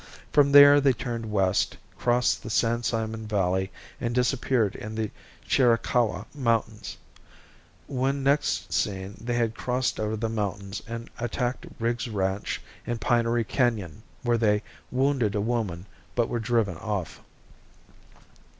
From there they turned west, crossed the San Simon valley and disappeared in the Chiricahua mountains. When next seen they had crossed over the mountains and attacked Riggs' ranch in Pinery canon, where they wounded a woman, but were driven off.